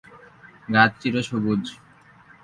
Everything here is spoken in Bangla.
গাছ চির সবুজ।